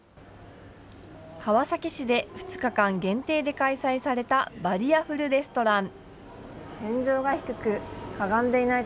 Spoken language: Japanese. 川崎市で２日間限定で開催されたバリアフルレストラン。